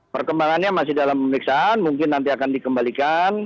perkembangannya masih dalam pemeriksaan mungkin nanti akan dikembalikan